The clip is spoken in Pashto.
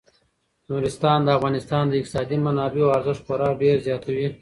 نورستان د افغانستان د اقتصادي منابعو ارزښت خورا ډیر زیاتوي.